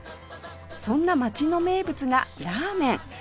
そんな街の名物がラーメン